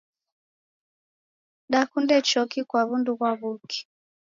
Dakunde choki kwa w'undu ghwa w'uki.